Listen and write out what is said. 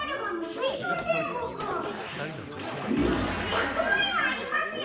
１００まいはありますよ！